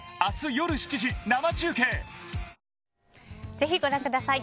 ぜひご覧ください。